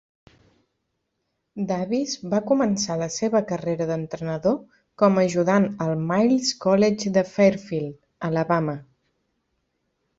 Davis va començar la seva carrera d'entrenador com a ajudant al Miles College de Fairfield (Alabama).